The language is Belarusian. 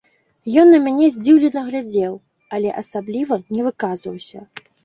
Ён на мяне здзіўлена глядзеў, але асабліва не выказваўся.